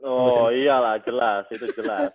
oh iyalah jelas itu jelas